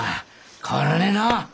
変わらねえな！